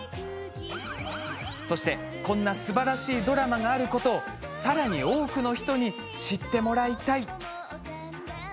そしてこんなすばらしいドラマがあることをさらに多くの人に知ってもらいたい。